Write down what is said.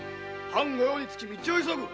藩御用につき道を急ぐ。